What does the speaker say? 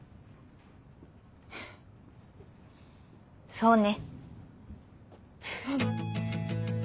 そうね。